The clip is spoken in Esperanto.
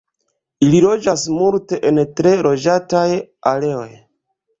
Ili loĝas multe en tre loĝataj areoj.